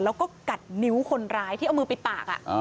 แล้วก็กัดนิ้วคนร้ายที่เอามือไปปาก